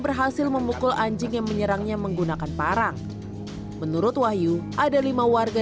berhasil memukul anjing yang menyerangnya menggunakan parang menurut wahyu ada lima warga